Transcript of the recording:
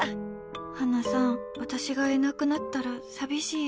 ハナさん、私がいなくなったら寂しい？